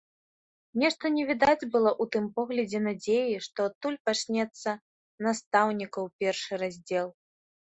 Нешта не відаць было ў тым поглядзе надзеі, што адтуль пачнецца настаўнікаў першы раздзел.